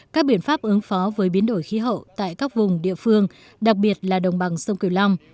các biện pháp ứng phó với biến đổi khí hậu tại các vùng địa phương đặc biệt là đồng bằng sông kiều long